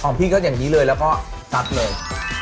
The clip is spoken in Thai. พี่ก็อย่างนี้เลยแล้วก็ซัดเลย